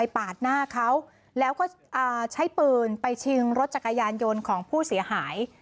ปาดหน้าเขาแล้วก็ใช้ปืนไปชิงรถจักรยานยนต์ของผู้เสียหาย